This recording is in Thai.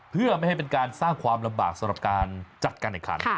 เพื่อไม่ให้เป็นการสร้างความลำบากสำหรับการจัดการแข่งขัน